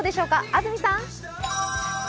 安住さん。